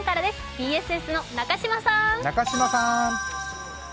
ＢＳＳの中島さん。